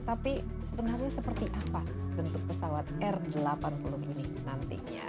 tapi sebenarnya seperti apa bentuk pesawat r delapan puluh ini nantinya